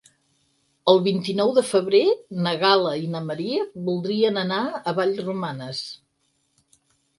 El vint-i-nou de febrer na Gal·la i na Maria voldrien anar a Vallromanes.